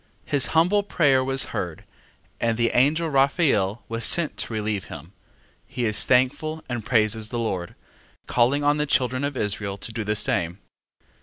His humble prayer was heard, and the angel Raphael was sent to relieve him: he is thankful and praises the Lord, calling on the children of Israel to do the same.